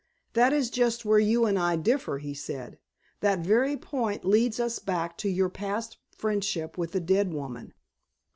"That is just where you and I differ," he said. "That very point leads us back to your past friendship with the dead woman."